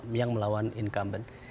calon yang melawan incumbent